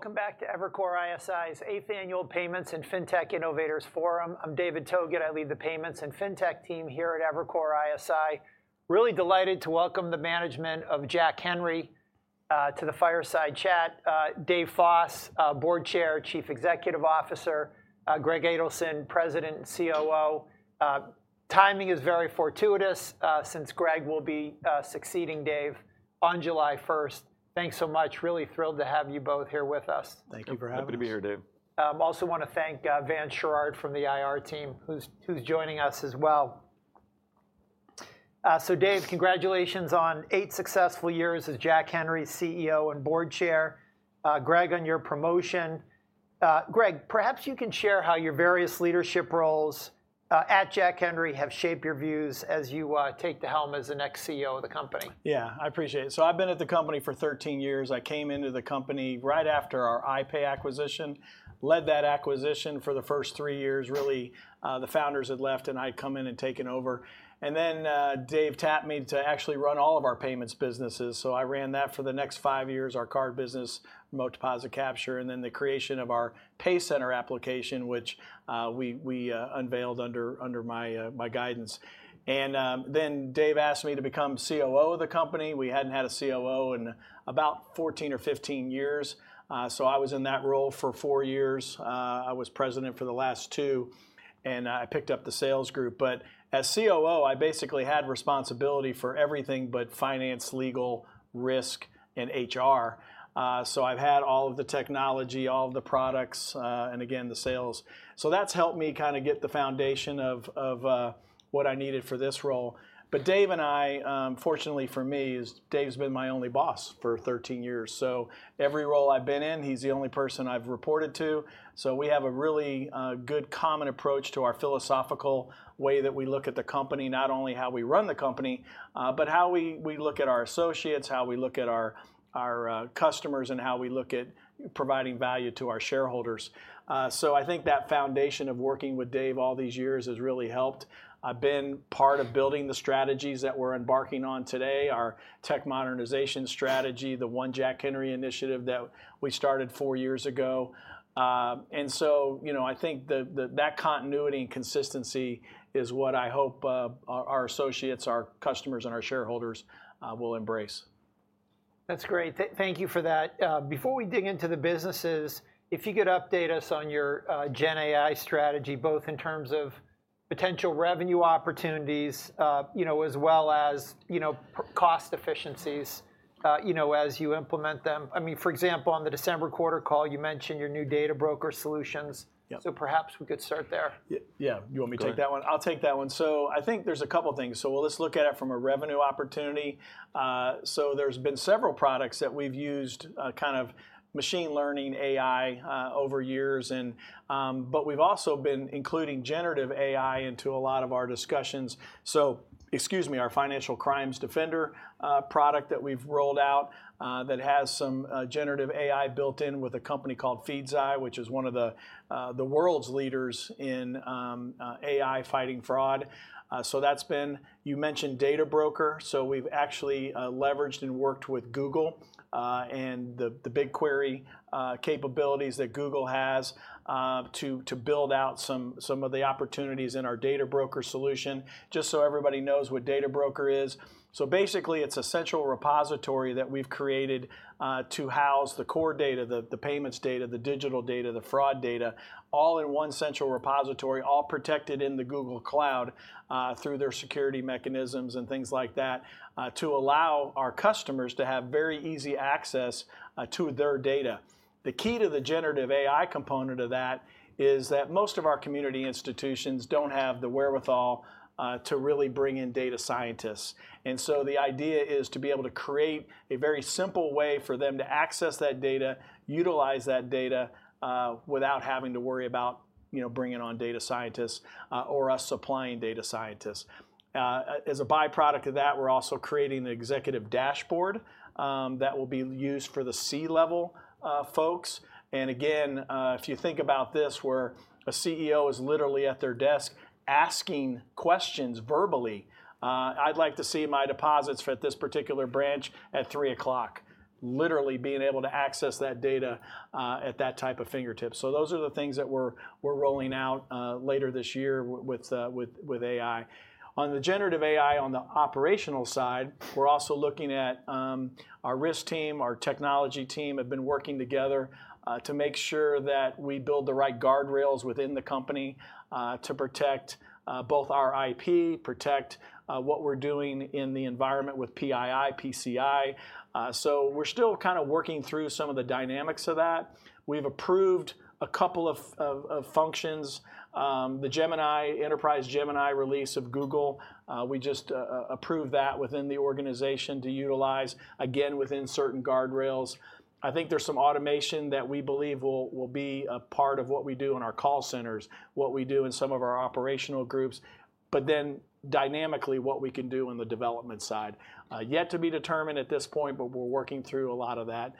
Welcome back to Evercore ISI's 8th Annual Payments and FinTech Innovators Forum. I'm David Togut. I lead the payments and fintech team here at Evercore ISI. Really delighted to welcome the management of Jack Henry to the fireside chat, Dave Foss, Board Chair, Chief Executive Officer; Greg Adelson, President and COO. Timing is very fortuitous since Greg will be succeeding Dave on July 1. Thanks so much. Really thrilled to have you both here with us. Thank you for having me. Happy to be here, Dave. I also want to thank Vance Sherard from the IR team who's joining us as well. So, Dave, congratulations on 8 successful years as Jack Henry's CEO and Board Chair. Greg, on your promotion. Greg, perhaps you can share how your various leadership roles at Jack Henry have shaped your views as you take the helm as the next CEO of the company. Yeah, I appreciate it. So I've been at the company for 13 years. I came into the company right after our iPay acquisition, led that acquisition for the first three years. Really, the founders had left and I'd come in and taken over. And then Dave tapped me to actually run all of our payments businesses. So I ran that for the next five years, our card business, Remote Deposit Capture, and then the creation of our PayCenter application, which we unveiled under my guidance. And then Dave asked me to become COO of the company. We hadn't had a COO in about 14 or 15 years. So I was in that role for four years. I was president for the last two. And I picked up the sales group. But as COO, I basically had responsibility for everything but finance, legal, risk, and HR. So I've had all of the technology, all of the products, and again, the sales. So that's helped me kind of get the foundation of what I needed for this role. But Dave and I, fortunately for me, Dave's been my only boss for 13 years. So every role I've been in, he's the only person I've reported to. So we have a really good common approach to our philosophical way that we look at the company, not only how we run the company, but how we look at our associates, how we look at our customers, and how we look at providing value to our shareholders. So I think that foundation of working with Dave all these years has really helped. I've been part of building the strategies that we're embarking on today, our tech modernization strategy, the One Jack Henry Initiative that we started four years ago. I think that continuity and consistency is what I hope our associates, our customers, and our shareholders will embrace. That's great. Thank you for that. Before we dig into the businesses, if you could update us on your GenAI strategy, both in terms of potential revenue opportunities as well as cost efficiencies as you implement them. I mean, for example, on the December quarter call, you mentioned your new Data Broker solutions. So perhaps we could start there. Yeah, you want me to take that one? I'll take that one. So I think there's a couple of things. So, well, let's look at it from a revenue opportunity. So there's been several products that we've used, kind of machine learning, AI over years. But we've also been including generative AI into a lot of our discussions. So excuse me, our Financial Crimes Defender product that we've rolled out that has some generative AI built in with a company called Feedzai, which is one of the world's leaders in AI fighting fraud. So that's been you mentioned data broker. So we've actually leveraged and worked with Google and the BigQuery capabilities that Google has to build out some of the opportunities in our Data Broker solution, just so everybody knows what Data Broker is. So basically, it's a central repository that we've created to house the core data, the payments data, the digital data, the fraud data, all in one central repository, all protected in the Google Cloud through their security mechanisms and things like that to allow our customers to have very easy access to their data. The key to the generative AI component of that is that most of our community institutions don't have the wherewithal to really bring in data scientists. And so the idea is to be able to create a very simple way for them to access that data, utilize that data without having to worry about bringing on data scientists or us supplying data scientists. As a byproduct of that, we're also creating the executive dashboard that will be used for the C-level folks. And again, if you think about this where a CEO is literally at their desk asking questions verbally, I'd like to see my deposits for this particular branch at 3:00, literally being able to access that data at that type of fingertip. So those are the things that we're rolling out later this year with AI. On the generative AI, on the operational side, we're also looking at our risk team, our technology team have been working together to make sure that we build the right guardrails within the company to protect both our IP, protect what we're doing in the environment with PII, PCI. So we're still kind of working through some of the dynamics of that. We've approved a couple of functions, the Enterprise Gemini release of Google. We just approved that within the organization to utilize, again, within certain guardrails. I think there's some automation that we believe will be a part of what we do in our call centers, what we do in some of our operational groups, but then dynamically what we can do on the development side. Yet to be determined at this point, but we're working through a lot of that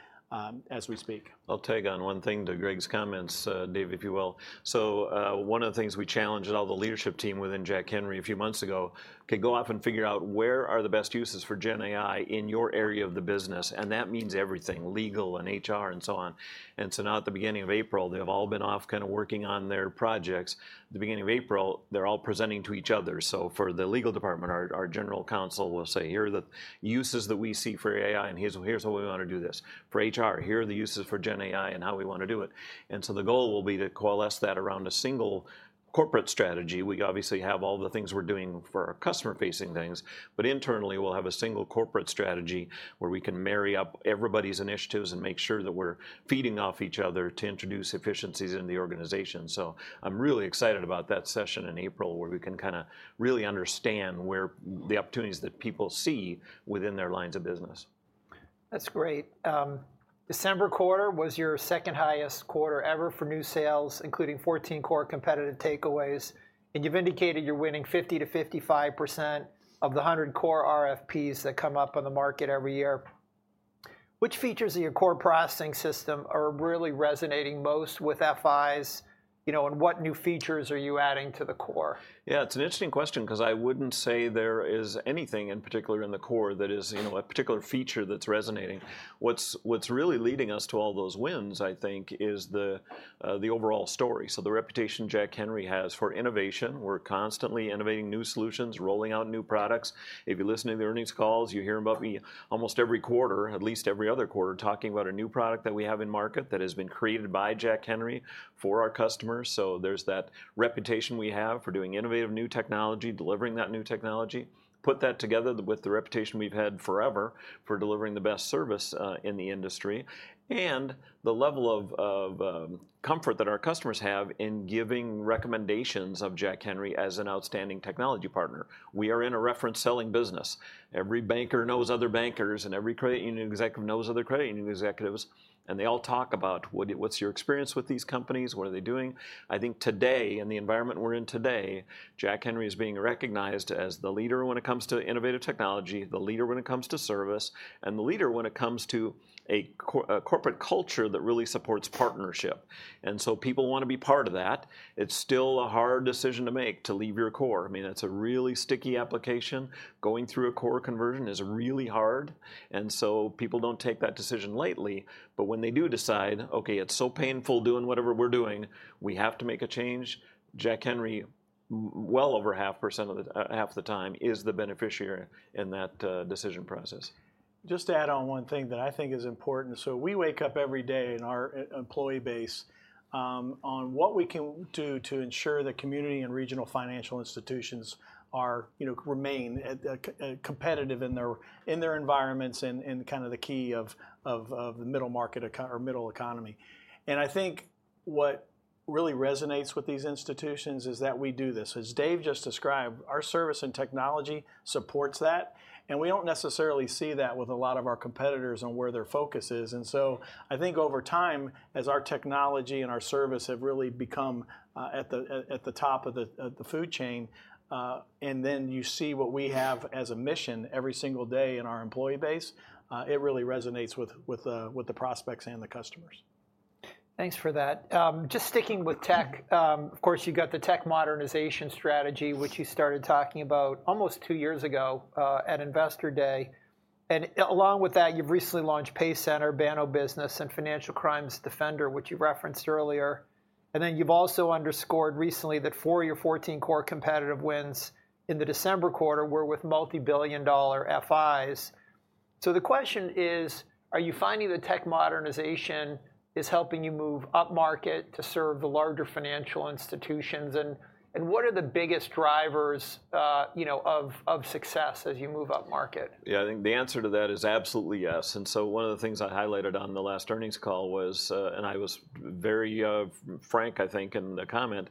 as we speak. I'll tag on one thing to Greg's comments, Dave, if you will. So one of the things we challenged all the leadership team within Jack Henry a few months ago, okay, go off and figure out where are the best uses for GenAI in your area of the business. And that means everything, legal and HR and so on. And so now at the beginning of April, they have all been off kind of working on their projects. At the beginning of April, they're all presenting to each other. So for the legal department, our general counsel will say, here are the uses that we see for AI, and here's how we want to do this. For HR, here are the uses for Gen AI and how we want to do it. And so the goal will be to coalesce that around a single corporate strategy. We obviously have all the things we're doing for our customer-facing things. But internally, we'll have a single corporate strategy where we can marry up everybody's initiatives and make sure that we're feeding off each other to introduce efficiencies in the organization. So I'm really excited about that session in April where we can kind of really understand the opportunities that people see within their lines of business. That's great. December quarter was your second highest quarter ever for new sales, including 14 core competitive takeaways. You've indicated you're winning 50% to 55% of the 100 core RFPs that come up on the market every year. Which features of your core processing system are really resonating most with FIs? What new features are you adding to the core? Yeah, it's an interesting question because I wouldn't say there is anything in particular in the core that is a particular feature that's resonating. What's really leading us to all those wins, I think, is the overall story. So the reputation Jack Henry has for innovation. We're constantly innovating new solutions, rolling out new products. If you listen to the earnings calls, you hear about me almost every quarter, at least every other quarter, talking about a new product that we have in market that has been created by Jack Henry for our customers. So there's that reputation we have for doing innovative new technology, delivering that new technology. Put that together with the reputation we've had forever for delivering the best service in the industry and the level of comfort that our customers have in giving recommendations of Jack Henry as an outstanding technology partner. We are in a reference selling business. Every banker knows other bankers, and every credit union executive knows other credit union executives. They all talk about, what's your experience with these companies? What are they doing? I think today, in the environment we're in today, Jack Henry is being recognized as the leader when it comes to innovative technology, the leader when it comes to service, and the leader when it comes to a corporate culture that really supports partnership. So people want to be part of that. It's still a hard decision to make to leave your core. I mean, that's a really sticky application. Going through a core conversion is really hard. So people don't take that decision lightly. But when they do decide, okay, it's so painful doing whatever we're doing. We have to make a change. Jack Henry, well over half the time, is the beneficiary in that decision process. Just to add on one thing that I think is important. So we wake up every day in our employee base on what we can do to ensure that community and regional financial institutions remain competitive in their environments and kind of the key of the middle market or middle economy. And I think what really resonates with these institutions is that we do this. As Dave just described, our service and technology supports that. And we don't necessarily see that with a lot of our competitors on where their focus is. And so I think over time, as our technology and our service have really become at the top of the food chain, and then you see what we have as a mission every single day in our employee base, it really resonates with the prospects and the customers. Thanks for that. Just sticking with tech, of course, you've got the tech modernization strategy, which you started talking about almost two years ago at Investor Day. Along with that, you've recently launched PayCenter, Banno Business, and Financial Crimes Defender, which you referenced earlier. You've also underscored recently that four of your 14 core competitive wins in the December quarter were with multibillion-dollar FIs. The question is, are you finding that tech modernization is helping you move up market to serve the larger financial institutions? And what are the biggest drivers of success as you move up market? Yeah, I think the answer to that is absolutely yes. And so one of the things I highlighted on the last earnings call was, and I was very frank, I think, in the comment,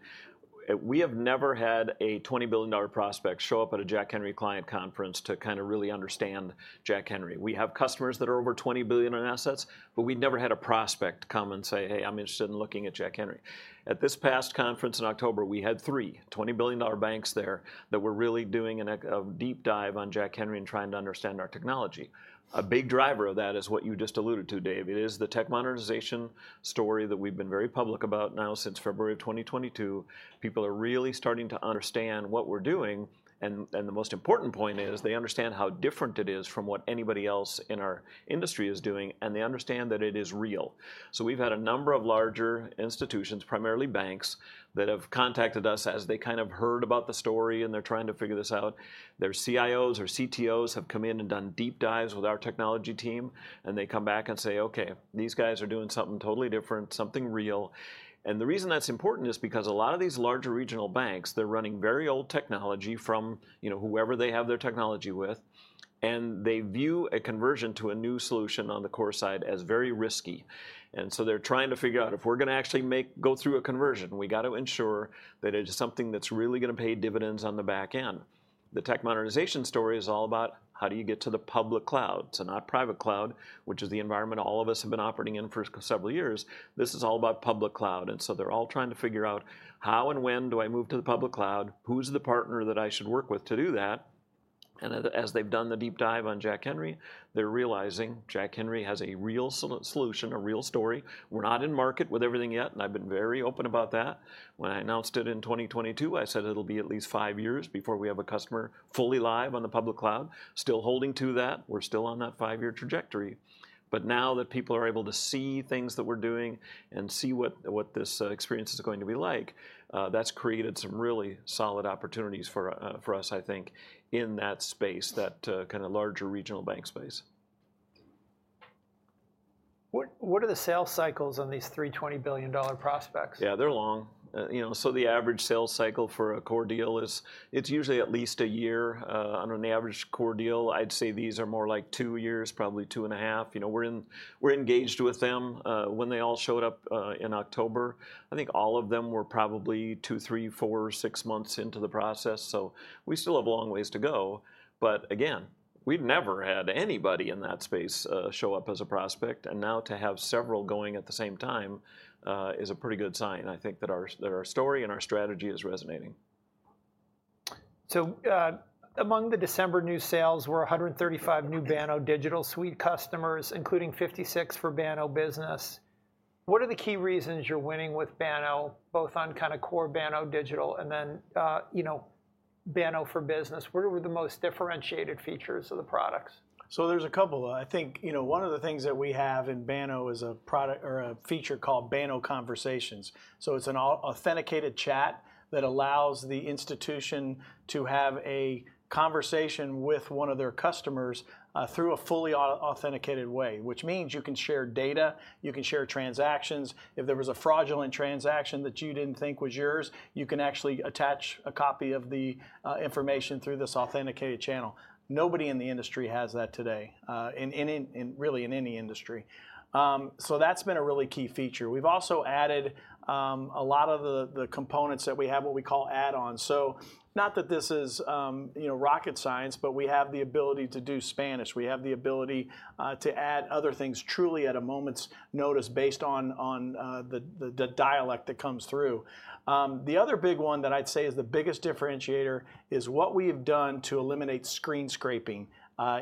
we have never had a $20 billion prospect show up at a Jack Henry client conference to kind of really understand Jack Henry. We have customers that are over $20 billion in assets, but we've never had a prospect come and say, hey, I'm interested in looking at Jack Henry. At this past conference in October, we had three $20 billion banks there that were really doing a deep dive on Jack Henry and trying to understand our technology. A big driver of that is what you just alluded to, Dave. It is the tech modernization story that we've been very public about now since February of 2022. People are really starting to understand what we're doing. The most important point is they understand how different it is from what anybody else in our industry is doing. They understand that it is real. We've had a number of larger institutions, primarily banks, that have contacted us as they kind of heard about the story, and they're trying to figure this out. Their CIOs or CTOs have come in and done deep dives with our technology team. They come back and say, okay, these guys are doing something totally different, something real. The reason that's important is because a lot of these larger regional banks, they're running very old technology from whoever they have their technology with. They view a conversion to a new solution on the core side as very risky. And so they're trying to figure out, if we're going to actually go through a conversion, we've got to ensure that it is something that's really going to pay dividends on the back end. The tech modernization story is all about how do you get to the public cloud. So not private cloud, which is the environment all of us have been operating in for several years. This is all about public cloud. And so they're all trying to figure out, how and when do I move to the public cloud? Who's the partner that I should work with to do that? And as they've done the deep dive on Jack Henry, they're realizing Jack Henry has a real solution, a real story. We're not in market with everything yet. And I've been very open about that. When I announced it in 2022, I said it'll be at least five years before we have a customer fully live on the public cloud. Still holding to that. We're still on that five-year trajectory. But now that people are able to see things that we're doing and see what this experience is going to be like, that's created some really solid opportunities for us, I think, in that space, that kind of larger regional bank space. What are the sales cycles on these three $20 billion prospects? Yeah, they're long. So the average sales cycle for a core deal is it's usually at least a year. On an average core deal, I'd say these are more like 2 years, probably 2.5. We're engaged with them. When they all showed up in October, I think all of them were probably two, three, four, six months into the process. So we still have a long ways to go. But again, we've never had anybody in that space show up as a prospect. And now to have several going at the same time is a pretty good sign, I think, that our story and our strategy is resonating. Among the December new sales, were 135 new Banno Digital Suite customers, including 56 for Banno Business. What are the key reasons you're winning with Banno, both on kind of core Banno Digital and then Banno for Business? What are the most differentiated features of the products? There's a couple. I think one of the things that we have in Banno is a feature called Banno Conversations. It's an authenticated chat that allows the institution to have a conversation with one of their customers through a fully authenticated way, which means you can share data. You can share transactions. If there was a fraudulent transaction that you didn't think was yours, you can actually attach a copy of the information through this authenticated channel. Nobody in the industry has that today, really in any industry. That's been a really key feature. We've also added a lot of the components that we have, what we call add-ons. Not that this is rocket science, but we have the ability to do Spanish. We have the ability to add other things truly at a moment's notice based on the dialect that comes through. The other big one that I'd say is the biggest differentiator is what we have done to eliminate screen scraping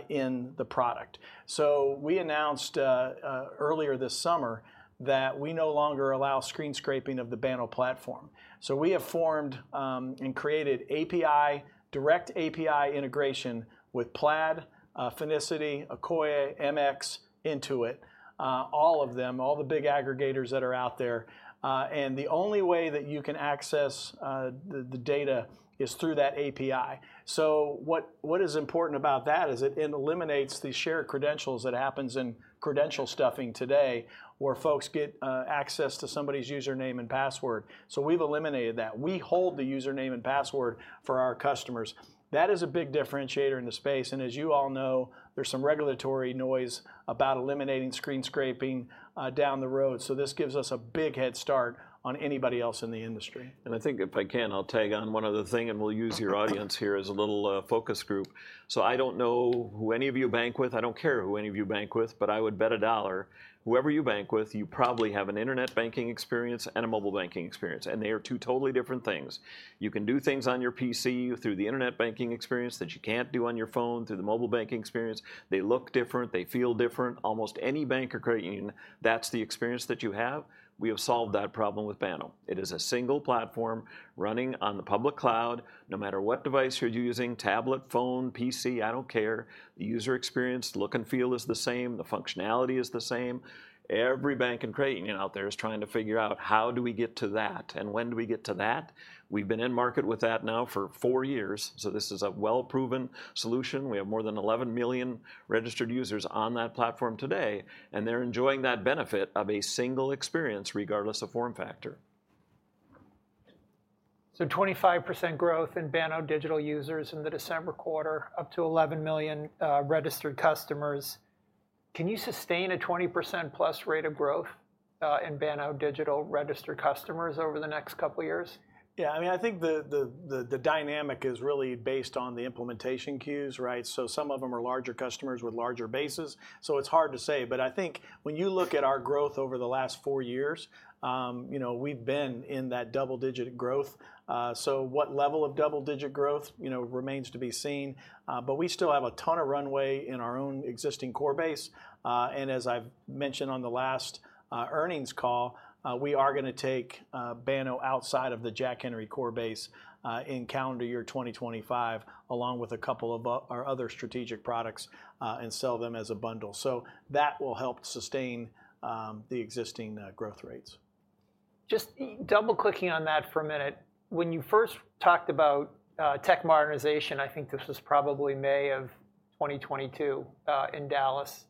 in the product. So we announced earlier this summer that we no longer allow screen scraping of the Banno platform. So we have formed and created API, direct API integration with Plaid, Finicity, Akoya, MX, Intuit, all of them, all the big aggregators that are out there. And the only way that you can access the data is through that API. So what is important about that is it eliminates the shared credentials. It happens in credential stuffing today, where folks get access to somebody's username and password. So we've eliminated that. We hold the username and password for our customers. That is a big differentiator in the space. And as you all know, there's some regulatory noise about eliminating screen scraping down the road. This gives us a big head start on anybody else in the industry. I think, if I can, I'll tag on one other thing. We'll use your audience here as a little focus group. So I don't know who any of you bank with. I don't care who any of you bank with. But I would bet $1, whoever you bank with, you probably have an internet banking experience and a mobile banking experience. And they are two totally different things. You can do things on your PC through the internet banking experience that you can't do on your phone through the mobile banking experience. They look different. They feel different. Almost any bank or credit union, that's the experience that you have. We have solved that problem with Banno. It is a single platform running on the public cloud, no matter what device you're using, tablet, phone, PC, I don't care. The user experience, look and feel is the same. The functionality is the same. Every bank and credit union out there is trying to figure out, how do we get to that? When do we get to that? We've been in market with that now for four years. So this is a well-proven solution. We have more than 11 million registered users on that platform today. And they're enjoying that benefit of a single experience, regardless of form factor. So 25% growth in Banno Digital users in the December quarter, up to 11 million registered customers. Can you sustain a 20%+ rate of growth in Banno Digital registered customers over the next couple of years? Yeah, I mean, I think the dynamic is really based on the implementation queues. So some of them are larger customers with larger bases. So it's hard to say. But I think when you look at our growth over the last four years, we've been in that double-digit growth. So what level of double-digit growth remains to be seen. But we still have a ton of runway in our own existing core base. And as I've mentioned on the last earnings call, we are going to take Banno outside of the Jack Henry core base in calendar year 2025, along with a couple of our other strategic products, and sell them as a bundle. So that will help sustain the existing growth rates. Just double-clicking on that for a minute, when you first talked about tech modernization, I think this was probably May of 2022 in Dallas,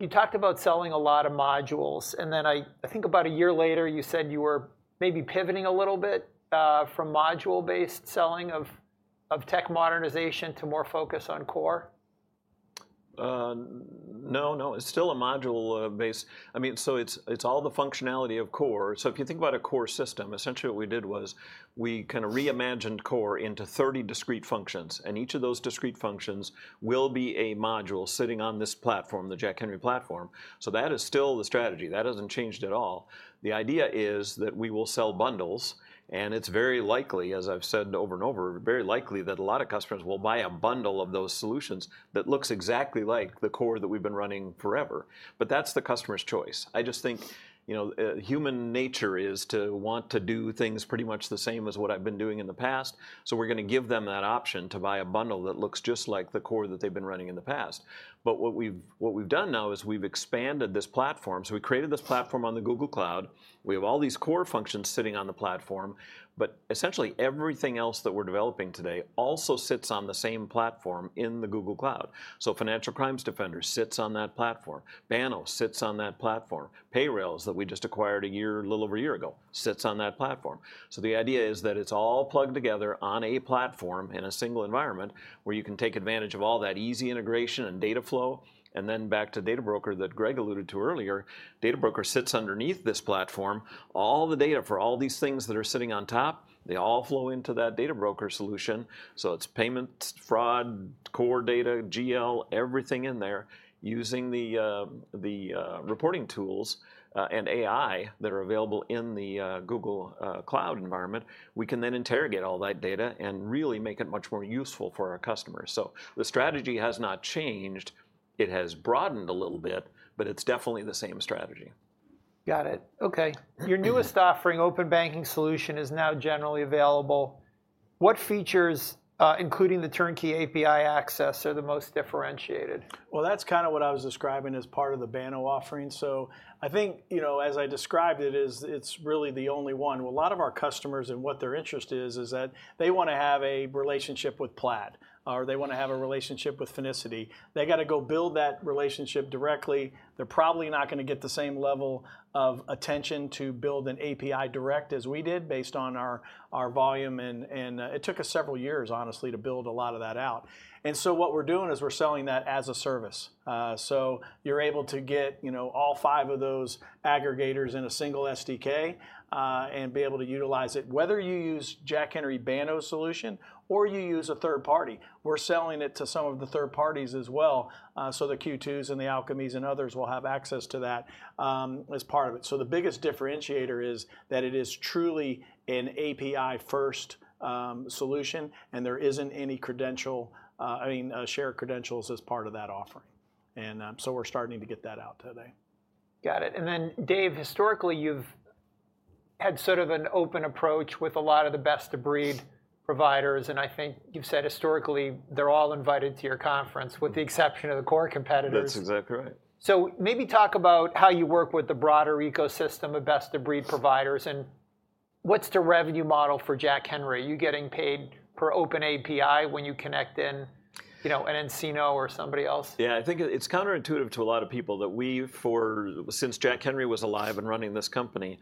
you talked about selling a lot of modules. I think about a year later, you said you were maybe pivoting a little bit from module-based selling of tech modernization to more focus on core? No, no. It's still a module-based. I mean, so it's all the functionality of core. So if you think about a core system, essentially what we did was we kind of reimagined core into 30 discrete functions. And each of those discrete functions will be a module sitting on this platform, the Jack Henry platform. So that is still the strategy. That hasn't changed at all. The idea is that we will sell bundles. And it's very likely, as I've said over and over, very likely that a lot of customers will buy a bundle of those solutions that looks exactly like the core that we've been running forever. But that's the customer's choice. I just think human nature is to want to do things pretty much the same as what I've been doing in the past. So we're going to give them that option to buy a bundle that looks just like the core that they've been running in the past. But what we've done now is we've expanded this platform. So we created this platform on the Google Cloud. We have all these core functions sitting on the platform. But essentially, everything else that we're developing today also sits on the same platform in the Google Cloud. So Financial Crimes Defender sits on that platform. Banno sits on that platform. Payrailz that we just acquired a year, a little over a year ago, sits on that platform. So the idea is that it's all plugged together on a platform in a single environment where you can take advantage of all that easy integration and data flow. And then back to Data Broker that Greg alluded to earlier, Data Broker sits underneath this platform. All the data for all these things that are sitting on top, they all flow into that Data Broker solution. So it's payments, fraud, core data, GL, everything in there. Using the reporting tools and AI that are available in the Google Cloud environment, we can then interrogate all that data and really make it much more useful for our customers. So the strategy has not changed. It has broadened a little bit. But it's definitely the same strategy. Got it. OK. Your newest offering, open banking solution, is now generally available. What features, including the turnkey API access, are the most differentiated? Well, that's kind of what I was describing as part of the Banno offering. So I think, as I described it, it's really the only one. A lot of our customers, and what their interest is, is that they want to have a relationship with Plaid, or they want to have a relationship with Finicity. They've got to go build that relationship directly. They're probably not going to get the same level of attention to build an API direct as we did based on our volume. And it took us several years, honestly, to build a lot of that out. And so what we're doing is we're selling that as a service. So you're able to get all five of those aggregators in a single SDK and be able to utilize it, whether you use Jack Henry Banno solution or you use a third party. We're selling it to some of the third parties as well. The Q2s and the Alkamis and others will have access to that as part of it. The biggest differentiator is that it is truly an API-first solution. There isn't any credential, I mean, shared credentials as part of that offering. We're starting to get that out today. Got it. And then, Dave, historically, you've had sort of an open approach with a lot of the best-of-breed providers. And I think you've said, historically, they're all invited to your conference, with the exception of the core competitors. That's exactly right. So maybe talk about how you work with the broader ecosystem of best-of-breed providers. What's the revenue model for Jack Henry? Are you getting paid per open API when you connect in an Ensenta or somebody else? Yeah, I think it's counterintuitive to a lot of people that we, since Jack Henry was alive and running this company,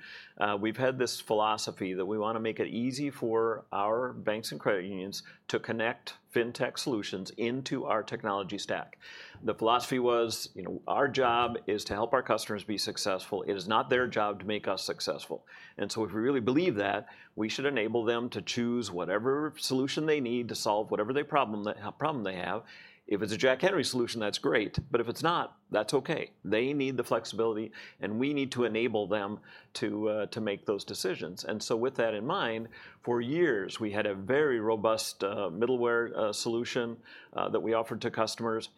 we've had this philosophy that we want to make it easy for our banks and credit unions to connect fintech solutions into our technology stack. The philosophy was, our job is to help our customers be successful. It is not their job to make us successful. And so if we really believe that, we should enable them to choose whatever solution they need to solve whatever problem they have. If it's a Jack Henry solution, that's great. But if it's not, that's okay. They need the flexibility. And we need to enable them to make those decisions. And so with that in mind, for years, we had a very robust middleware solution that we offered to customers.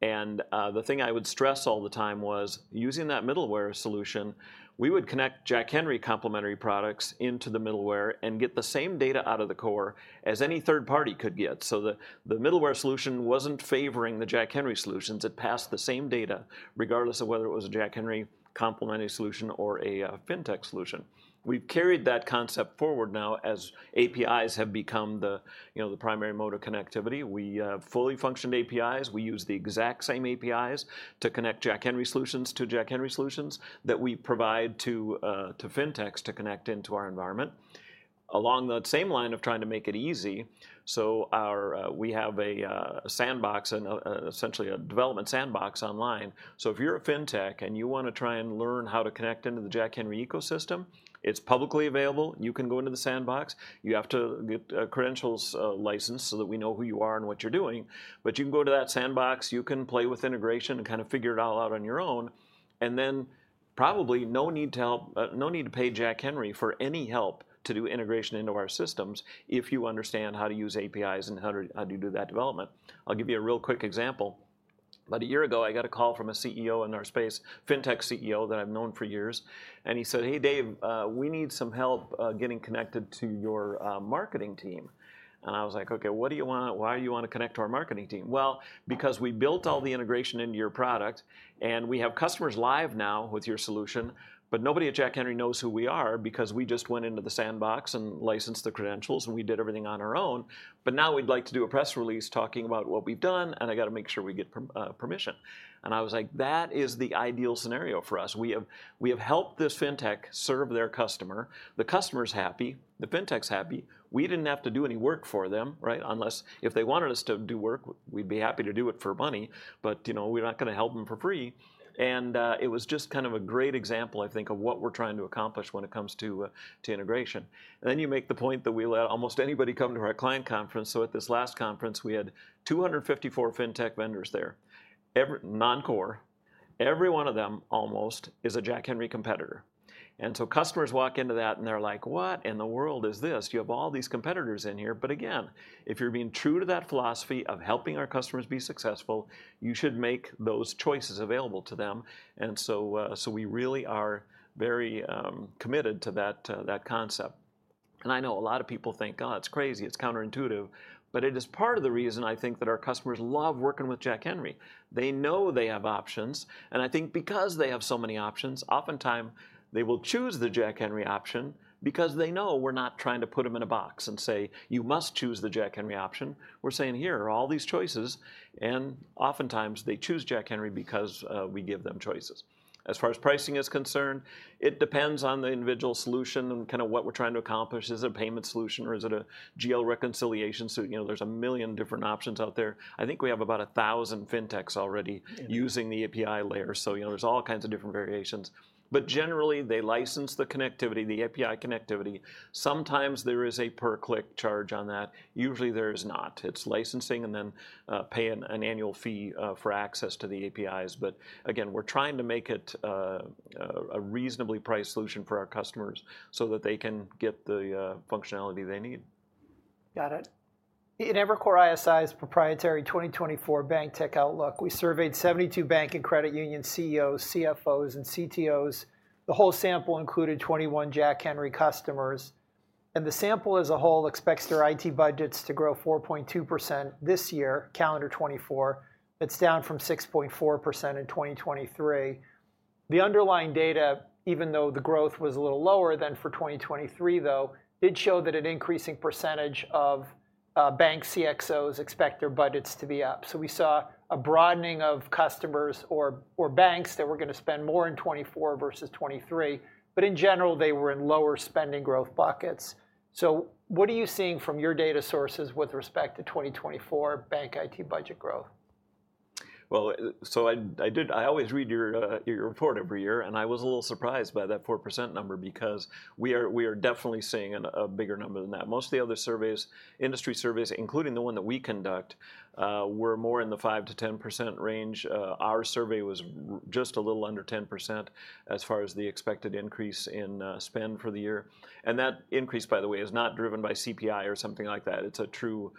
The thing I would stress all the time was, using that middleware solution, we would connect Jack Henry complementary products into the middleware and get the same data out of the core as any third party could get. So the middleware solution wasn't favoring the Jack Henry solutions. It passed the same data, regardless of whether it was a Jack Henry complementary solution or a fintech solution. We've carried that concept forward now as APIs have become the primary mode of connectivity. We have fully functioned APIs. We use the exact same APIs to connect Jack Henry solutions to Jack Henry solutions that we provide to fintechs to connect into our environment. Along that same line of trying to make it easy, so we have a sandbox, essentially a development sandbox online. So if you're a fintech and you want to try and learn how to connect into the Jack Henry ecosystem, it's publicly available. You can go into the sandbox. You have to get credentials licensed so that we know who you are and what you're doing. But you can go to that sandbox. You can play with integration and kind of figure it all out on your own. And then probably no need to pay Jack Henry for any help to do integration into our systems if you understand how to use APIs and how to do that development. I'll give you a real quick example. About a year ago, I got a call from a CEO in our space, fintech CEO that I've known for years. And he said, hey, Dave, we need some help getting connected to your marketing team. And I was like, okay, why do you want to connect to our marketing team? Well, because we built all the integration into your product. And we have customers live now with your solution. But nobody at Jack Henry knows who we are because we just went into the sandbox and licensed the credentials. And we did everything on our own. But now we'd like to do a press release talking about what we've done. And I've got to make sure we get permission. And I was like, that is the ideal scenario for us. We have helped this fintech serve their customer. The customer's happy. The fintech's happy. We didn't have to do any work for them, unless if they wanted us to do work, we'd be happy to do it for money. But we're not going to help them for free. It was just kind of a great example, I think, of what we're trying to accomplish when it comes to integration. Then you make the point that we let almost anybody come to our client conference. So at this last conference, we had 254 fintech vendors there, non-core. Every one of them, almost, is a Jack Henry competitor. And so customers walk into that and they're like, what in the world is this? You have all these competitors in here. But again, if you're being true to that philosophy of helping our customers be successful, you should make those choices available to them. And so we really are very committed to that concept. And I know a lot of people think, oh, it's crazy. It's counterintuitive. But it is part of the reason, I think, that our customers love working with Jack Henry. They know they have options. I think because they have so many options, oftentimes, they will choose the Jack Henry option because they know we're not trying to put them in a box and say, you must choose the Jack Henry option. We're saying, here are all these choices. Oftentimes, they choose Jack Henry because we give them choices. As far as pricing is concerned, it depends on the individual solution and kind of what we're trying to accomplish. Is it a payment solution? Or is it a GL reconciliation? There's a million different options out there. I think we have about 1,000 fintechs already using the API layer. There's all kinds of different variations. But generally, they license the connectivity, the API connectivity. Sometimes there is a per-click charge on that. Usually, there is not. It's licensing and then paying an annual fee for access to the APIs. But again, we're trying to make it a reasonably priced solution for our customers so that they can get the functionality they need. Got it. In Evercore ISI's proprietary 2024 Bank Tech Outlook, we surveyed 72 bank and credit union CEOs, CFOs, and CTOs. The whole sample included 21 Jack Henry customers. The sample as a whole expects their IT budgets to grow 4.2% this year, calendar 2024. That's down from 6.4% in 2023. The underlying data, even though the growth was a little lower than for 2023, though, did show that an increasing percentage of bank CXOs expect their budgets to be up. We saw a broadening of customers or banks that were going to spend more in 2024 versus 2023. In general, they were in lower spending growth buckets. What are you seeing from your data sources with respect to 2024 bank IT budget growth? Well, so I always read your report every year. I was a little surprised by that 4% number because we are definitely seeing a bigger number than that. Most of the other surveys, industry surveys, including the one that we conduct, were more in the 5%-10% range. Our survey was just a little under 10% as far as the expected increase in spend for the year. That increase, by the way, is not driven by CPI or something like that. It's a true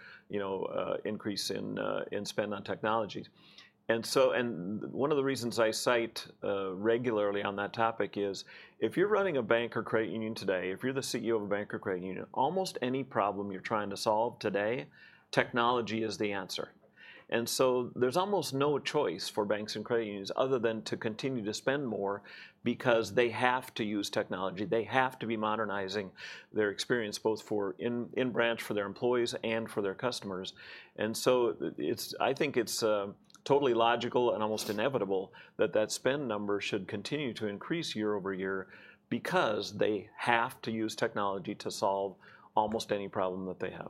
increase in spend on technology. One of the reasons I cite regularly on that topic is, if you're running a bank or credit union today, if you're the CEO of a bank or credit union, almost any problem you're trying to solve today, technology is the answer. There's almost no choice for banks and credit unions other than to continue to spend more because they have to use technology. They have to be modernizing their experience, both in branch for their employees and for their customers. I think it's totally logical and almost inevitable that that spend number should continue to increase year-over-year because they have to use technology to solve almost any problem that they have.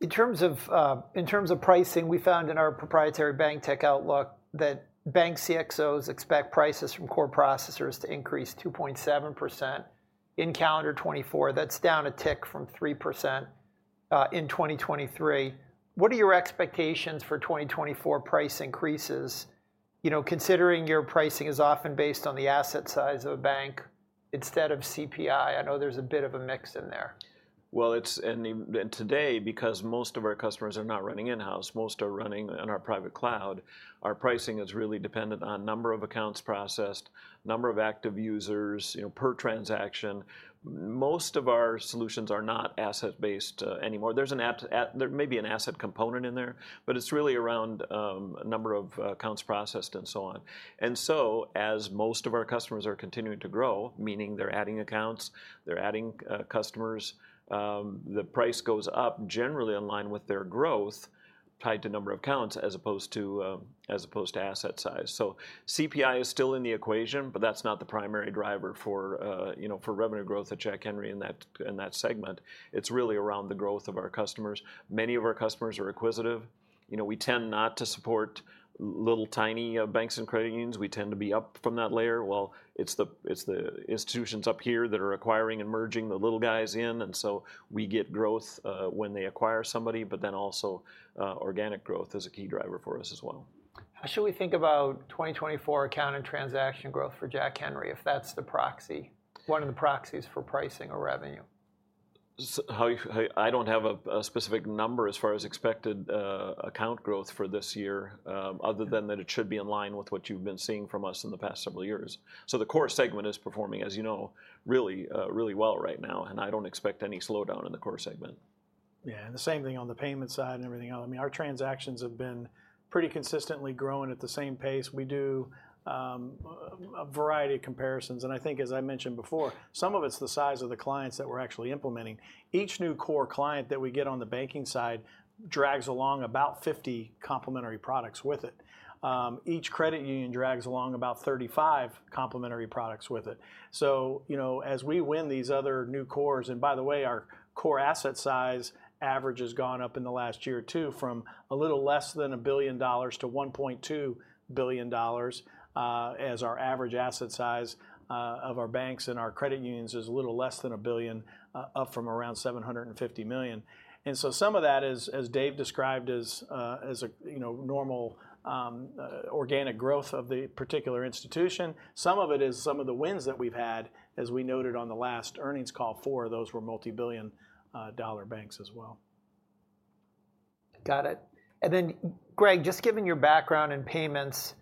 In terms of pricing, we found in our proprietary bank tech outlook that bank CXOs expect prices from core processors to increase 2.7% in calendar 2024. That's down a tick from 3% in 2023. What are your expectations for 2024 price increases, considering your pricing is often based on the asset size of a bank instead of CPI? I know there's a bit of a mix in there. Well, today, because most of our customers are not running in-house, most are running in our private cloud, our pricing is really dependent on number of accounts processed, number of active users per transaction. Most of our solutions are not asset-based anymore. There may be an asset component in there. But it's really around number of accounts processed and so on. And so as most of our customers are continuing to grow, meaning they're adding accounts, they're adding customers, the price goes up generally in line with their growth tied to number of accounts as opposed to asset size. So CPI is still in the equation. But that's not the primary driver for revenue growth at Jack Henry in that segment. It's really around the growth of our customers. Many of our customers are acquisitive. We tend not to support little, tiny banks and credit unions. We tend to be up from that layer. Well, it's the institutions up here that are acquiring and merging the little guys in. And so we get growth when they acquire somebody. But then also, organic growth is a key driver for us as well. How should we think about 2024 account and transaction growth for Jack Henry, if that's one of the proxies for pricing or revenue? I don't have a specific number as far as expected account growth for this year, other than that it should be in line with what you've been seeing from us in the past several years. So the core segment is performing, as you know, really well right now. And I don't expect any slowdown in the core segment. Yeah, and the same thing on the payment side and everything else. I mean, our transactions have been pretty consistently growing at the same pace. We do a variety of comparisons. And I think, as I mentioned before, some of it's the size of the clients that we're actually implementing. Each new core client that we get on the banking side drags along about 50 complementary products with it. Each credit union drags along about 35 complementary products with it. So as we win these other new cores and by the way, our core asset size average has gone up in the last year, too, from a little less than $1 billion to $1.2 billion as our average asset size of our banks and our credit unions is a little less than $1 billion, up from around $750 million. And so some of that is, as Dave described, as normal organic growth of the particular institution. Some of it is some of the wins that we've had. As we noted on the last earnings call, four of those were multi-billion dollar banks as well. Got it. And then, Greg, just given your background in payments,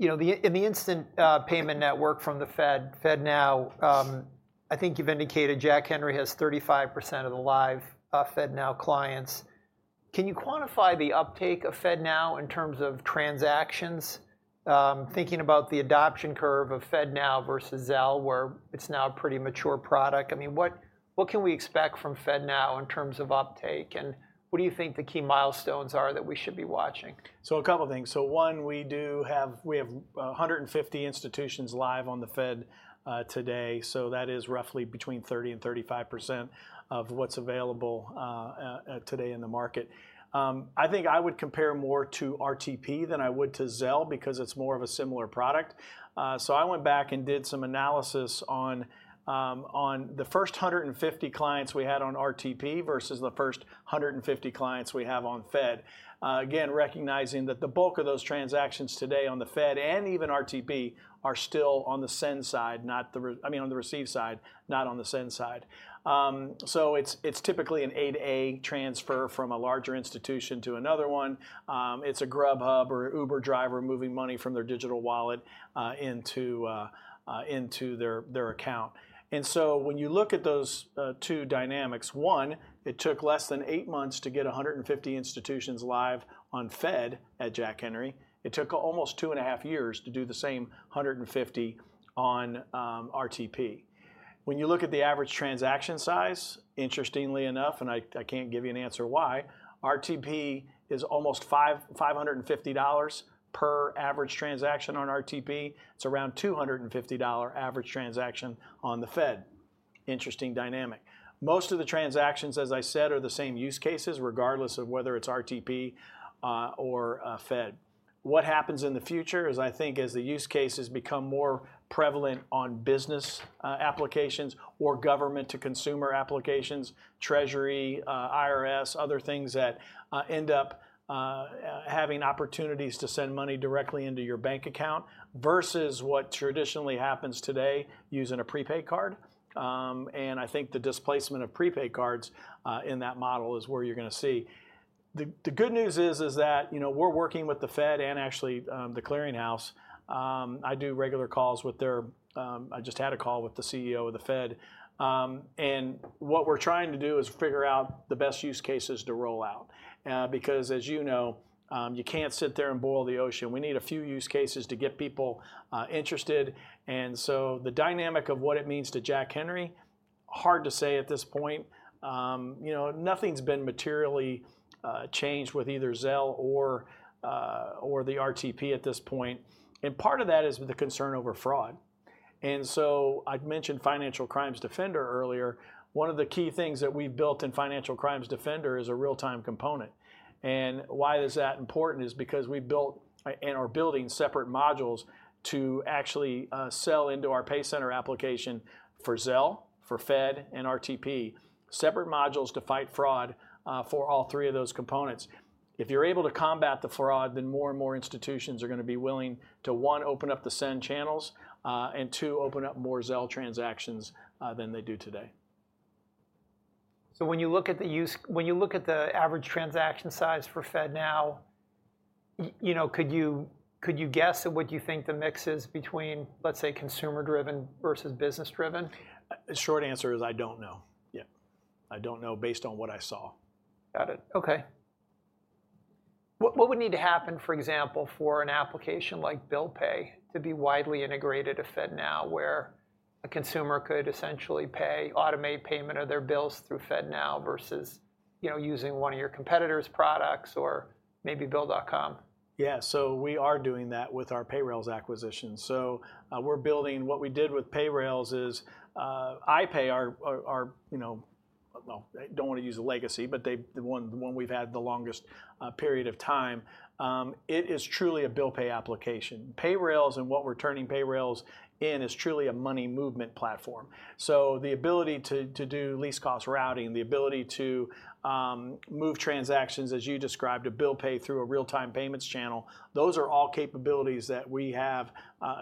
in the instant payment network from the Fed, FedNow, I think you've indicated Jack Henry has 35% of the live FedNow clients. Can you quantify the uptake of FedNow in terms of transactions, thinking about the adoption curve of FedNow versus Zelle, where it's now a pretty mature product? I mean, what can we expect from FedNow in terms of uptake? And what do you think the key milestones are that we should be watching? So a couple of things. So one, we have 150 institutions live on the Fed today. So that is roughly between 30% and 35% of what's available today in the market. I think I would compare more to RTP than I would to Zelle because it's more of a similar product. So I went back and did some analysis on the first 150 clients we had on RTP versus the first 150 clients we have on Fed, again, recognizing that the bulk of those transactions today on the Fed and even RTP are still on the send side, not the receive side, not on the send side. So it's typically an ACH transfer from a larger institution to another one. It's a Grubhub or Uber driver moving money from their digital wallet into their account. And so when you look at those two dynamics, one, it took less than 8 months to get 150 institutions live on Fed at Jack Henry. It took almost 2.5 years to do the same 150 on RTP. When you look at the average transaction size, interestingly enough, and I can't give you an answer why, RTP is almost $550 per average transaction on RTP. It's around $250 average transaction on the Fed. Interesting dynamic. Most of the transactions, as I said, are the same use cases, regardless of whether it's RTP or Fed. What happens in the future is, I think, as the use cases become more prevalent on business applications or government-to-consumer applications, Treasury, IRS, other things that end up having opportunities to send money directly into your bank account versus what traditionally happens today using a prepaid card. And I think the displacement of prepaid cards in that model is where you're going to see. The good news is that we're working with the Fed and actually The Clearing House. I do regular calls with their I just had a call with the CEO of the Fed. And what we're trying to do is figure out the best use cases to roll out because, as you know, you can't sit there and boil the ocean. We need a few use cases to get people interested. And so the dynamic of what it means to Jack Henry, hard to say at this point. Nothing's been materially changed with either Zelle or the RTP at this point. And part of that is the concern over fraud. And so I mentioned Financial Crimes Defender earlier. One of the key things that we've built in Financial Crimes Defender is a real-time component. And why is that important is because we built and are building separate modules to actually sell into our PayCenter application for Zelle, for Fed, and RTP, separate modules to fight fraud for all three of those components. If you're able to combat the fraud, then more and more institutions are going to be willing, to one, open up the send channels, and two, open up more Zelle transactions than they do today. When you look at the average transaction size for FedNow, could you guess at what you think the mix is between, let's say, consumer-driven versus business-driven? The short answer is I don't know yet. I don't know based on what I saw. Got it. Okay. What would need to happen, for example, for an application like bill pay to be widely integrated to FedNow, where a consumer could essentially automate payment of their bills through FedNow versus using one of your competitors' products or maybe Bill.com? Yeah, so we are doing that with our Payrailz acquisition. So we're building what we did with Payrailz is iPay, our—well, I don't want to use a legacy, but the one we've had the longest period of time; it is truly a bill pay application. Payrailz and what we're turning Payrailz in is truly a money movement platform. So the ability to do least-cost routing, the ability to move transactions, as you described, to bill pay through a real-time payments channel, those are all capabilities that we have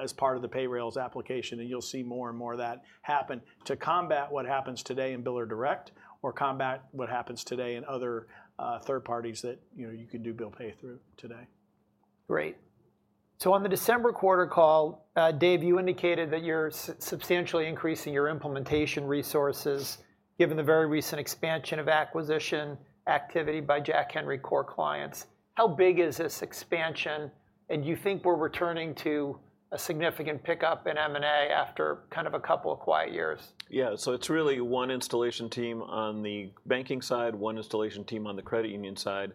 as part of the Payrailz application. And you'll see more and more of that happen to combat what happens today in Bill.com or direct or combat what happens today in other third parties that you can do bill pay through today. Great. So on the December quarter call, Dave, you indicated that you're substantially increasing your implementation resources given the very recent expansion of acquisition activity by Jack Henry core clients. How big is this expansion? And do you think we're returning to a significant pickup in M&A after kind of a couple of quiet years? Yeah, so it's really one installation team on the banking side, one installation team on the credit union side.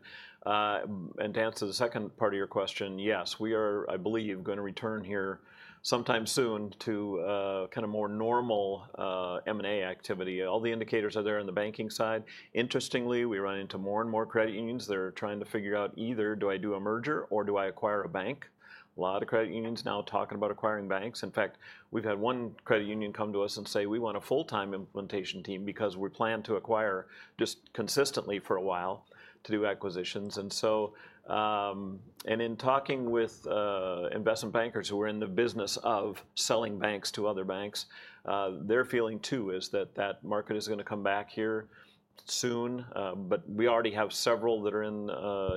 And to answer the second part of your question, yes, we are, I believe, going to return here sometime soon to kind of more normal M&A activity. All the indicators are there on the banking side. Interestingly, we run into more and more credit unions that are trying to figure out either do I do a merger or do I acquire a bank? A lot of credit unions now talking about acquiring banks. In fact, we've had one credit union come to us and say, we want a full-time implementation team because we plan to acquire just consistently for a while to do acquisitions. In talking with investment bankers who are in the business of selling banks to other banks, their feeling, too, is that that market is going to come back here soon. But we already have several that are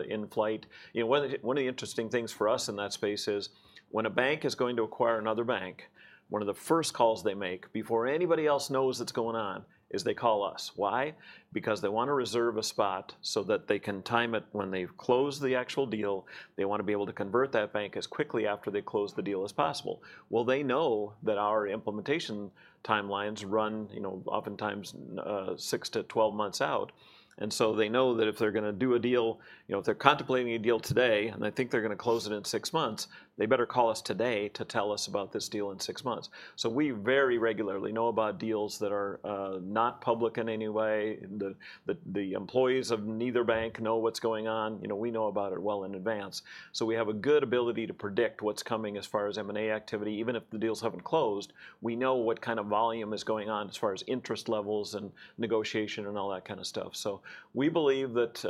in flight. One of the interesting things for us in that space is when a bank is going to acquire another bank, one of the first calls they make before anybody else knows what's going on is they call us. Why? Because they want to reserve a spot so that they can time it when they've closed the actual deal. They want to be able to convert that bank as quickly after they close the deal as possible. Well, they know that our implementation timelines run oftentimes 6-12 months out. They know that if they're going to do a deal if they're contemplating a deal today and they think they're going to close it in six months, they better call us today to tell us about this deal in six months. So we very regularly know about deals that are not public in any way. The employees of neither bank know what's going on. We know about it well in advance. So we have a good ability to predict what's coming as far as M&A activity. Even if the deals haven't closed, we know what kind of volume is going on as far as interest levels and negotiation and all that kind of stuff. So we believe that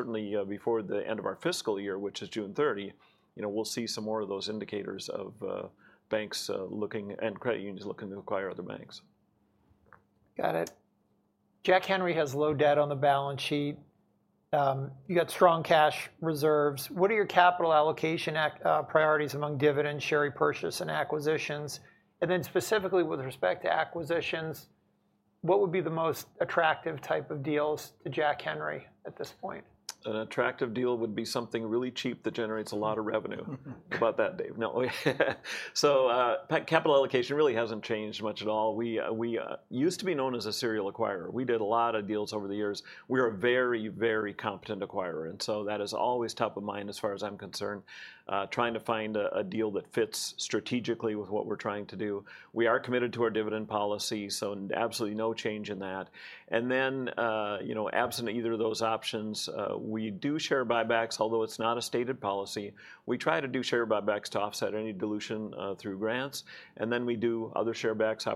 certainly before the end of our fiscal year, which is June 30, we'll see some more of those indicators of banks looking and credit unions looking to acquire other banks. Got it. Jack Henry has low debt on the balance sheet. You've got strong cash reserves. What are your capital allocation priorities among dividend, share repurchase, and acquisitions? And then specifically with respect to acquisitions, what would be the most attractive type of deals to Jack Henry at this point? An attractive deal would be something really cheap that generates a lot of revenue. About that, Dave. So capital allocation really hasn't changed much at all. We used to be known as a serial acquirer. We did a lot of deals over the years. We are a very, very competent acquirer. And so that is always top of mind as far as I'm concerned, trying to find a deal that fits strategically with what we're trying to do. We are committed to our dividend policy. So absolutely no change in that. And then absent either of those options, we do share buybacks, although it's not a stated policy. We try to do share buybacks to offset any dilution through grants. And then we do other share buybacks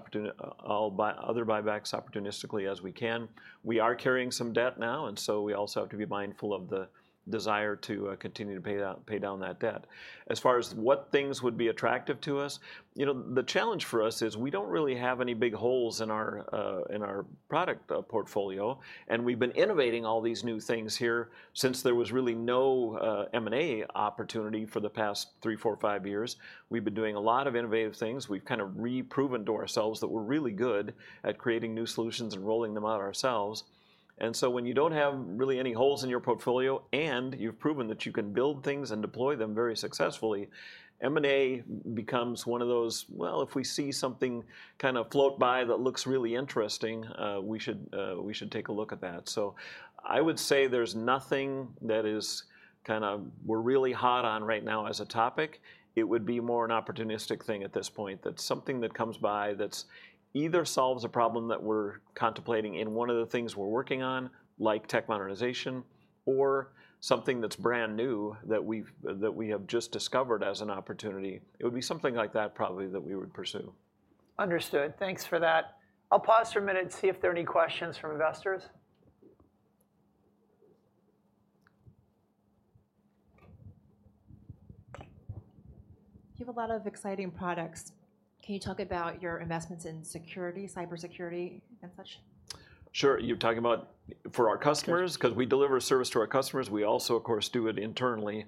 opportunistically as we can. We are carrying some debt now. So we also have to be mindful of the desire to continue to pay down that debt. As far as what things would be attractive to us, the challenge for us is we don't really have any big holes in our product portfolio. We've been innovating all these new things here since there was really no M&A opportunity for the past three, four, five years. We've been doing a lot of innovative things. We've kind of reproven to ourselves that we're really good at creating new solutions and rolling them out ourselves. When you don't have really any holes in your portfolio and you've proven that you can build things and deploy them very successfully, M&A becomes one of those, well, if we see something kind of float by that looks really interesting, we should take a look at that. I would say there's nothing that is kind of we're really hot on right now as a topic. It would be more an opportunistic thing at this point, that something that comes by that either solves a problem that we're contemplating in one of the things we're working on, like tech modernization, or something that's brand new that we have just discovered as an opportunity. It would be something like that probably that we would pursue. Understood. Thanks for that. I'll pause for a minute and see if there are any questions from investors. You have a lot of exciting products. Can you talk about your investments in security, cybersecurity, and such? Sure. You're talking about for our customers? Because we deliver service to our customers. We also, of course, do it internally.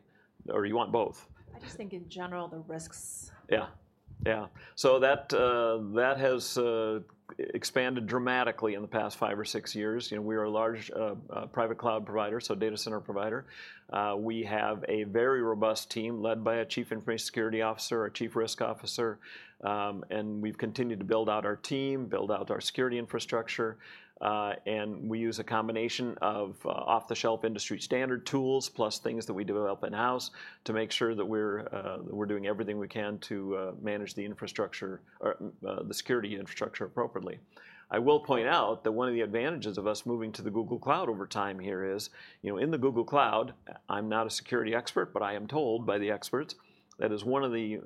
Or do you want both? I just think in general, the risks. Yeah. So that has expanded dramatically in the past five or six years. We are a large private cloud provider, so data center provider. We have a very robust team led by a Chief Information Security Officer, a Chief Risk Officer. And we've continued to build out our team, build out our security infrastructure. And we use a combination of off-the-shelf industry standard tools plus things that we develop in-house to make sure that we're doing everything we can to manage the security infrastructure appropriately. I will point out that one of the advantages of us moving to the Google Cloud over time here is in the Google Cloud, I'm not a security expert, but I am told by the experts that it is one of the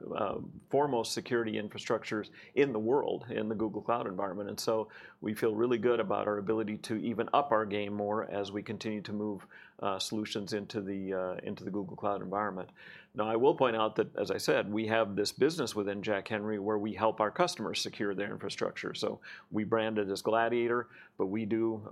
foremost security infrastructures in the world in the Google Cloud environment. We feel really good about our ability to even up our game more as we continue to move solutions into the Google Cloud environment. Now, I will point out that, as I said, we have this business within Jack Henry where we help our customers secure their infrastructure. We brand it as Gladiator. We do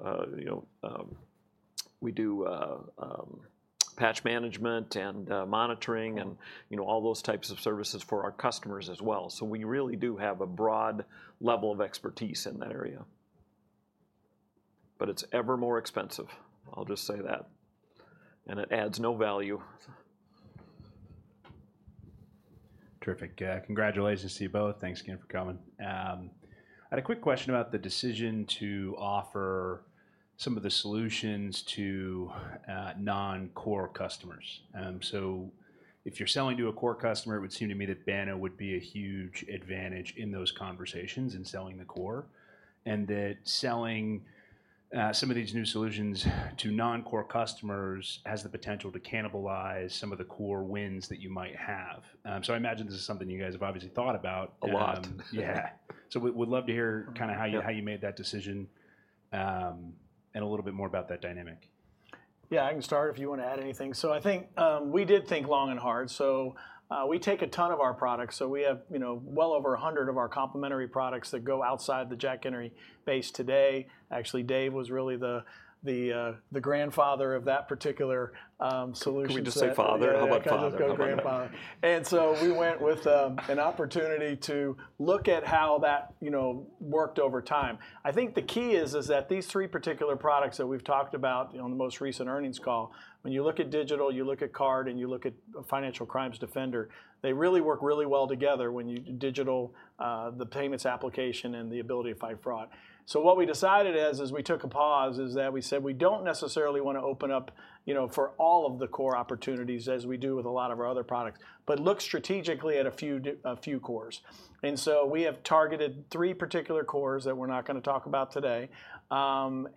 patch management and monitoring and all those types of services for our customers as well. We really do have a broad level of expertise in that area. It's ever more expensive. I'll just say that. It adds no value. Terrific. Congratulations to you both. Thanks again for coming. I had a quick question about the decision to offer some of the solutions to non-core customers. So if you're selling to a core customer, it would seem to me that Banno would be a huge advantage in those conversations in selling the core and that selling some of these new solutions to non-core customers has the potential to cannibalize some of the core wins that you might have. So I imagine this is something you guys have obviously thought about. A lot. Yeah. So we'd love to hear kind of how you made that decision and a little bit more about that dynamic. Yeah, I can start if you want to add anything. So I think we did think long and hard. So we take a ton of our products. So we have well over 100 of our complementary products that go outside the Jack Henry base today. Actually, Dave was really the grandfather of that particular solution. Could we just say father? How about father? Yeah, just go grandfather. And so we went with an opportunity to look at how that worked over time. I think the key is that these three particular products that we've talked about on the most recent earnings call, when you look at Digital, you look at Card, and you look at Financial Crimes Defender, they really work really well together when you digital the payments application and the ability to fight fraud. So what we decided is, as we took a pause, is that we said we don't necessarily want to open up for all of the core opportunities as we do with a lot of our other products, but look strategically at a few cores. And so we have targeted three particular cores that we're not going to talk about today and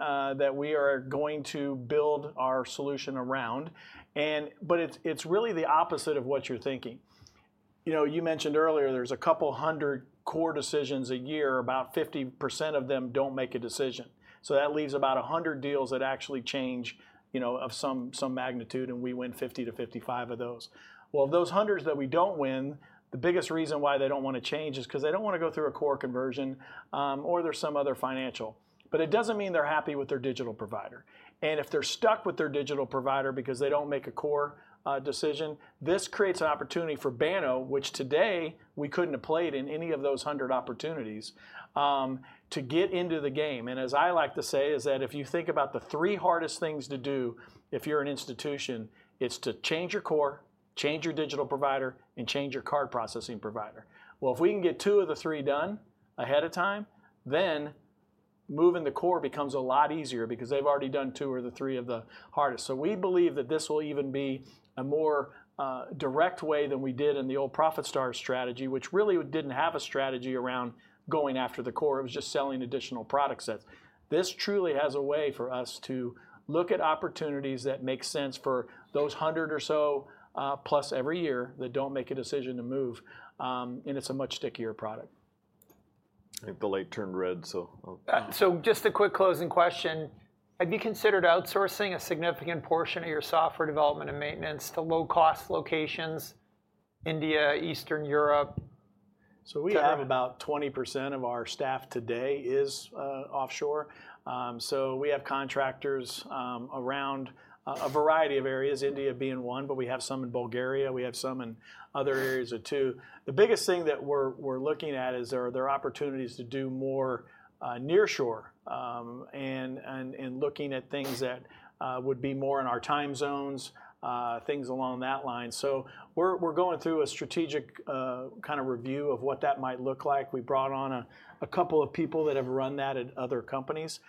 that we are going to build our solution around. But it's really the opposite of what you're thinking. You mentioned earlier there's 200 core decisions a year. About 50% of them don't make a decision. So that leaves about 100 deals that actually change of some magnitude. And we win 50-55 of those. Well, of those hundreds that we don't win, the biggest reason why they don't want to change is because they don't want to go through a core conversion or there's some other financial. But it doesn't mean they're happy with their digital provider. And if they're stuck with their digital provider because they don't make a core decision, this creates an opportunity for Banno, which today we couldn't have played in any of those 100 opportunities, to get into the game. As I like to say, is that if you think about the three hardest things to do if you're an institution, it's to change your core, change your digital provider, and change your card processing provider. Well, if we can get two of the three done ahead of time, then moving the core becomes a lot easier because they've already done two or the three of the hardest. We believe that this will even be a more direct way than we did in the old ProfitStars strategy, which really didn't have a strategy around going after the core. It was just selling additional product sets. This truly has a way for us to look at opportunities that make sense for those 100 or so plus every year that don't make a decision to move. And it's a much stickier product. I think the light turned red, so. Just a quick closing question. Have you considered outsourcing a significant portion of your software development and maintenance to low-cost locations, India, Eastern Europe? So we have about 20% of our staff today is offshore. So we have contractors around a variety of areas, India being one. But we have some in Bulgaria. We have some in other areas, too. The biggest thing that we're looking at is there are opportunities to do more nearshore and looking at things that would be more in our time zones, things along that line. So we're going through a strategic kind of review of what that might look like. We brought on a couple of people that have run that at other companies.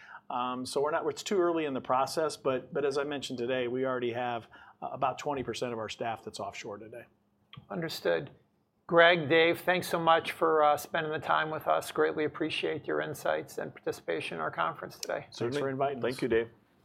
So it's too early in the process. But as I mentioned today, we already have about 20% of our staff that's offshore today. Understood. Greg, Dave, thanks so much for spending the time with us. Greatly appreciate your insights and participation in our conference today. Certainly for inviting. Thank you, Dave.